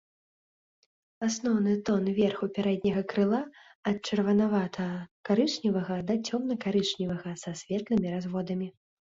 Асноўны тон верху пярэдняга крыла ад чырванавата-карычневага да цёмна-карычневага са светлымі разводамі.